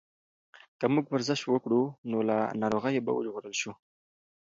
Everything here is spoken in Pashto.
که موږ ورزش وکړو نو له ناروغیو به وژغورل شو.